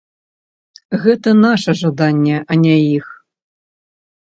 Гэта наша жаданне, а не іх.